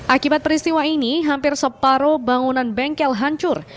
akibat peristiwa ini hampir separuh bangunan bengkel hancur